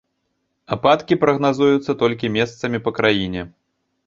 Ападкі прагназуюцца толькі месцамі па краіне.